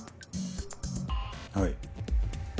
はい。